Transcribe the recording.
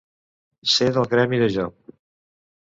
Ser del gremi de Job.